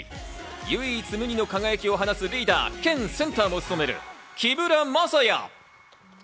唯一無二の輝きを放つリーダー兼センターも務める木村柾哉。